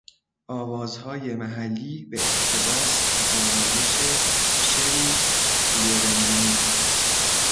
آوازهای محلی به اقتباس و آرایش شری فیورندینو